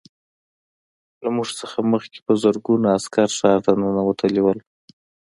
له موږ څخه مخکې په زرګونه عسکر ښار ته ننوتلي وو